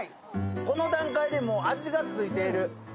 この段階でもう味がついている。